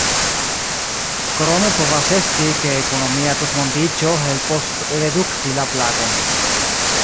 Krome povas esti, ke ekonomia tutmondiĝo helpos redukti la plagon.